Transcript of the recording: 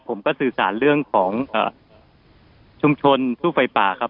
ผมก็สื่อสารเรื่องของชุมชนสู้ไฟป่าครับ